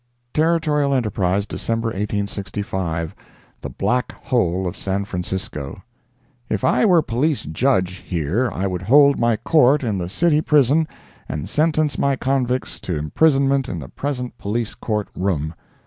Territorial Enterprise, December 1865 THE BLACK HOLE OF SAN FRANCISCO If I were Police Judge here, I would hold my court in the city prison and sentence my convicts to imprisonment in the present Police Court room.